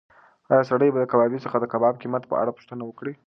ایا سړی به د کبابي څخه د کباب د قیمت په اړه پوښتنه وکړي؟